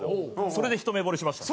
それでひと目ぼれしました。